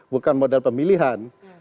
bukan model pemilihan